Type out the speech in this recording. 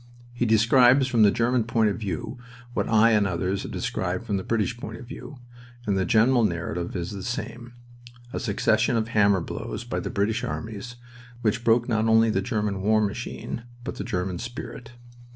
He describes from the German point of view what I and others have described from the British point of view, and the general narrative is the same a succession of hammer blows by the British armies, which broke not only the German war machine, but the German spirit.